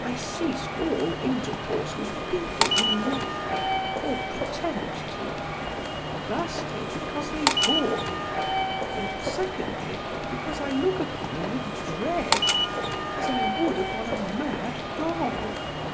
I cease all intercourse with people who love me or pretend to; firstly, because they bore me, and secondly, because I look upon them with dread, as I would upon a mad dog.